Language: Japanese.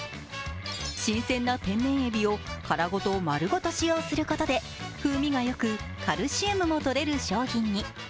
新鮮な天然えびを殻ごと丸ごと使用することで風味がよく、カルシウムもとれる商品に。